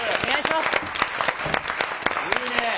いいね。